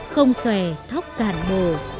không xòe thóc cạn bồ